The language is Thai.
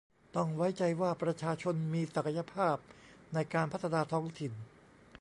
ต้องไว้ใจว่าประชาชนมีศักยภาพในการพัฒนาท้องถิ่น